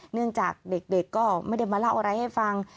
เนื่องจากเด็กก็ไม่ได้มาเล่าอะไรให้ฟัง